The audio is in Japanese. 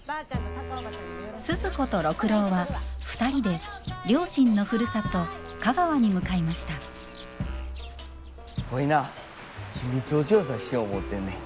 スズ子と六郎は２人で両親のふるさと香川に向かいましたワイな秘密を調査しよ思うてんねん。